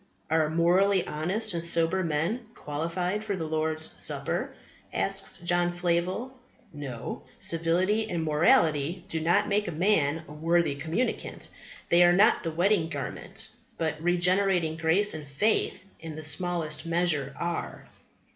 "Are morally honest and sober men qualified for the Lord's Supper?" asks John Flavel. "No; civility and morality do not make a man a worthy communicant. They are not the wedding garment; but regenerating grace and faith in the smallest measure are."